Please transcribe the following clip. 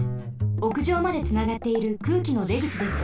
おくじょうまでつながっている空気のでぐちです。